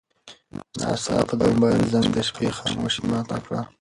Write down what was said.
ناڅاپه د موبایل زنګ د شپې خاموشي ماته کړه.